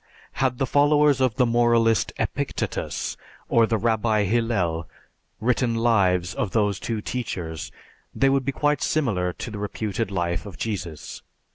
Had the followers of the moralist Epictetus or the Rabbi Hillel written lives of these two teachers they would be quite similar to the reputed life of Jesus.